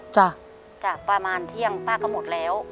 จ้ะจ้ะประมาณเที่ยงป้าก็หมดแล้ว